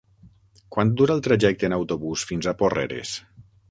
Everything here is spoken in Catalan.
Quant dura el trajecte en autobús fins a Porreres?